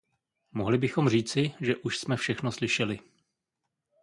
Mohli bychom říci, že už jsme všechno slyšeli.